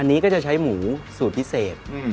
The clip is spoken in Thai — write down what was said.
อันนี้ก็จะใช้หมูสูตรพิเศษ